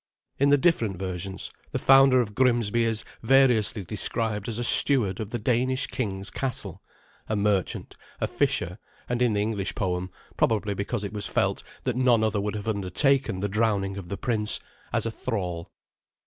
In the different versions, the founder of Grimsby is variously described as a steward of the Danish king's castle, a merchant, a fisher, and in the English poem probably because it was felt that none other would have undertaken the drowning of the prince as a thrall.